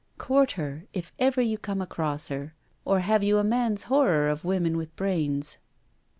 Court her, if ever you come across her. Or have you a man's horror of women with brains?'